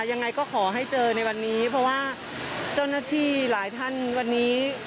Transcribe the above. ยังไงก็ขอให้เจอในวันนี้เพราะว่าเจ้าหน้าที่หลายท่านวันนี้